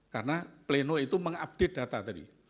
karena pleno itu mengupdate data tadi